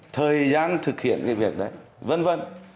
thời gian thực hiện cái việc đấy vân vân